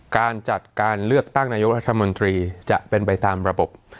การจัดการเลือกตั้งนายกรัฐมนตรีจะเป็นไปตามระบบ